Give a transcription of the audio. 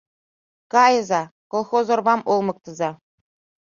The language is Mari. Кайыза, колхоз орвам олмыктыза.